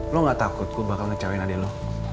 lo gak takut gue bakal ngecewekin adek lo